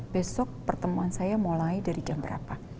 besok pertemuan saya mulai dari jam berapa